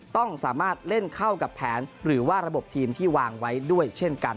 ต้องสามารถเล่นเข้ากับแผนหรือว่าระบบทีมที่วางไว้ด้วยเช่นกัน